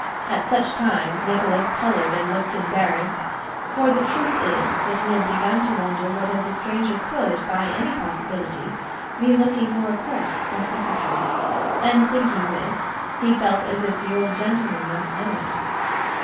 At such times, Nicholas coloured and looked embarrassed: for the truth is, that he had begun to wonder whether the stranger could, by any possibility, be looking for a clerk or secretary; and thinking this, he felt as if the old gentleman must know it.